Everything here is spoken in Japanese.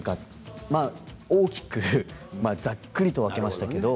大きくざっくりと分けましたけど。